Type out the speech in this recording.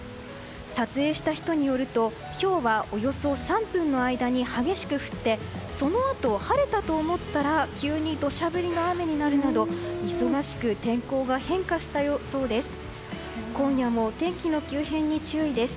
撮影した人によると、ひょうはおよそ３分の間に激しく降ってそのあと晴れたと思ったら急に土砂降りの雨になるなど忙しく天候が変化したそうです。